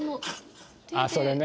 あっそれね。